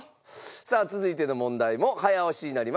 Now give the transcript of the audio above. さあ続いての問題も早押しになります。